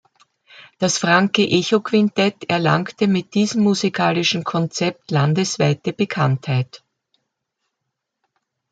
Das Franke Echo Quintett erlangte mit diesem musikalischen Konzept landesweite Bekanntheit.